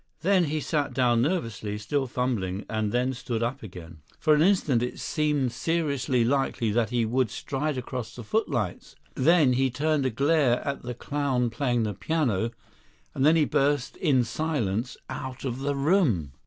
Then he sat down nervously, still fumbling, and then stood up again. For an instant it seemed seriously likely that he would stride across the footlights; then he turned a glare at the clown playing the piano; and then he burst in silence out of the room.